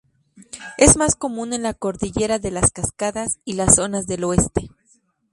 Es más común en la Cordillera de las Cascadas y las zonas del oeste.